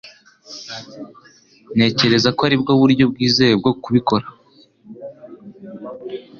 Ntekereza ko aribwo buryo bwizewe bwo kubikora.